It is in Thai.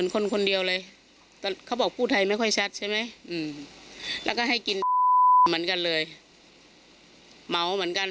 กลับให้ได้เร็วอะ